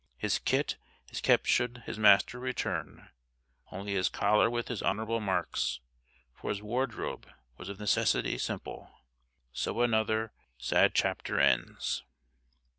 His kit is kept should his master return, only his collar with his honourable marks, for his wardrobe was of necessity simple. So another sad chapter ends.